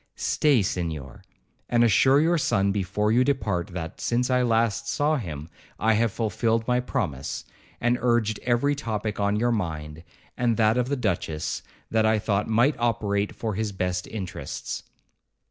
'Stay, Senhor, and assure your son before you depart, that, since I last saw him, I have fulfilled my promise, and urged every topic on your mind, and that of the duchess, that I thought might operate for his best interests.'